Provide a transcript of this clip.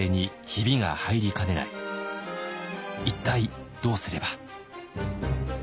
一体どうすれば」。